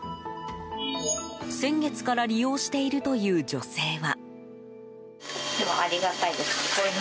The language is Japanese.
先月から利用しているという女性は。